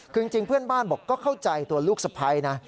คือจริงเพื่อนบ้านบอกก็เข้าใจตัวลูกสะพ้ายนะ